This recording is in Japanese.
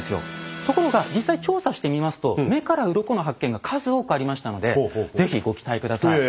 ところが実際調査してみますと目からうろこの発見が数多くありましたので是非ご期待下さい。